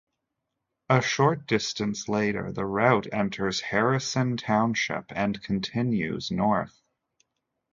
A short distance later, the route enters Harrison Township and continues north.